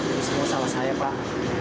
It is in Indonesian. itu semua salah saya pak